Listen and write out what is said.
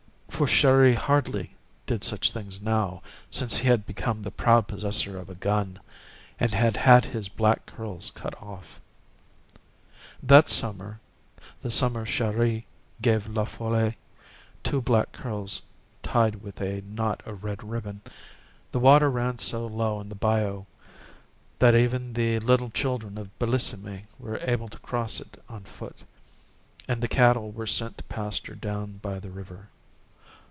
For Chéri hardly did such things now, since he had become the proud possessor of a gun, and had had his black curls cut off. That summer—the summer Chéri gave La Folle two black curls tied with a knot of red ribbon—the water ran so low in the bayou that even the little children at Bellissime were able to cross it on foot, and the cattle were sent to pasture down by the river.